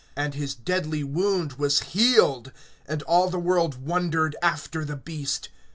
And his deadly wound was healed; and all the world wondered after the beast.